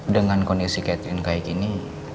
dengan kondisi cathewn kayak gini